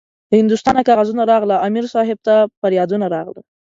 له هندوستانه کاغذونه راغله- امیر صاحب ته پریادونه راغله